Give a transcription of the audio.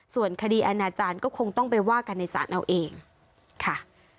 ส่วนคดีอาณาจารย์ก็คงต้องไปว่ากันในศาลเอาเองค่ะ